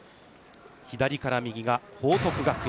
左から右が報徳学園。